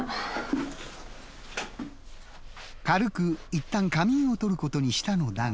軽くいったん仮眠を取ることにしたのだが。